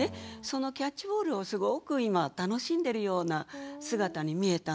そのキャッチボールをすごく今楽しんでるような姿に見えたんですよね。